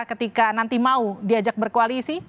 ketika nanti mau diajak berkoalisi